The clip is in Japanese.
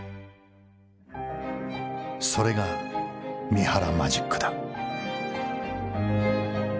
それが三原マジックだ。